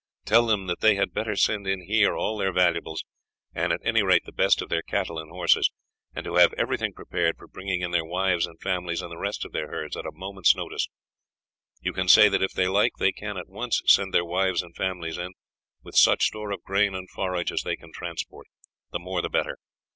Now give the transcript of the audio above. Tell them that they had better send in here all their valuables, and at any rate the best of their cattle and horses, and to have everything prepared for bringing in their wives and families and the rest of their herds at a moment's notice. You can say that if they like they can at once send their wives and families in, with such store of grain and forage as they can transport; the more the better.